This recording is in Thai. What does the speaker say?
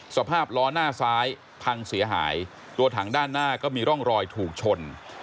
สภาพล้อหน้าซ้ายพังเสียหายตัวถังด้านหน้าก็มีร่องรอยถูกชน